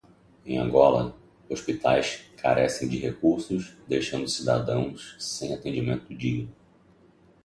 Em Angola, hospitais carecem de recursos, deixando cidadãos sem atendimento digno